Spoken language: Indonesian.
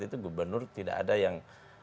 itu gubernur tidak ada yang